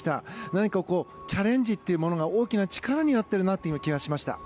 何かチャレンジというものが大きな力になってる気がしました。